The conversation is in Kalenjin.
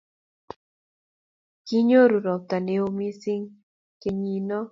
Kinyoru ropta neo missing' kenyinno.